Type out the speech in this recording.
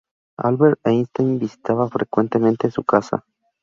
Albert Einstein visitaba frecuentemente su casa.